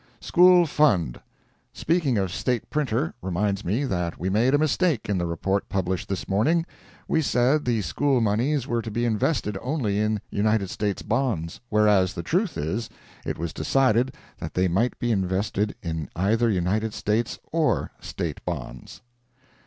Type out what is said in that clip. SCHOOL FUND Speaking of State Printer, reminds me that we made a mistake in the report published this morning. We said the school moneys were to be invested only in United States bonds—whereas, the truth is, it was decided that they might be invested in either United States or State bonds.